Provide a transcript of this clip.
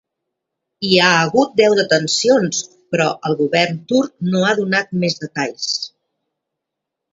Hi ha hagut deu detencions, però el govern turc no ha donat més detalls.